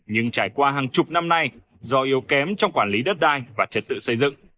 nhưng trải qua hàng chục năm nay do yếu kém trong quản lý đất đai và trật tự xây dựng